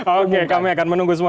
oke kami akan menunggu semua